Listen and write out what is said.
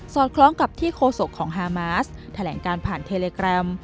คล้องกับที่โคศกของฮามาสแถลงการผ่านเทเลแกรม